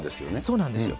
そうなんですよ。